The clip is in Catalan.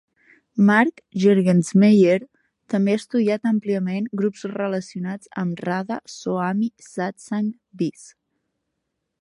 Mark Juergensmeyer també ha estudiat àmpliament grups relacionats amb Radha Soami Satsang Beas.